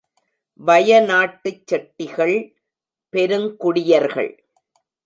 வய நாட்டுச் செட்டிகள் பெருங் குடியர்கள்.